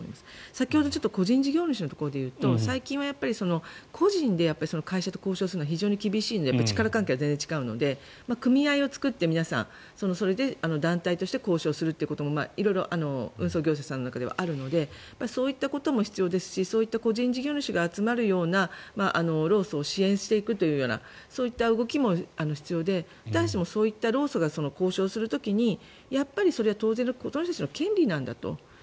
先ほどちょっと個人事業主のところで言うと最近は個人で会社と交渉するのが非常に厳しいので力関係が全然違うので組合を作って皆さんそれで団体として交渉するというのも色々運送業者さんの中ではあるのでそういったことも必要ですしそういった個人事業主が集まるような労組を支援していくというそういった動きも必要で私たちも労組が交渉する時にやっぱり、それは当然私たちの権利なんだと。